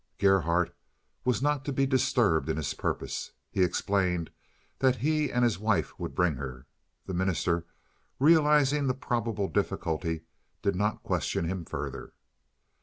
Gerhardt was not to be disturbed in his purpose. He explained that he and his wife would bring her. The minister, realizing the probable difficulty, did not question him further.